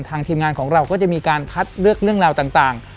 ทีมงานของเราก็จะมีการคัดเลือกเรื่องราวต่าง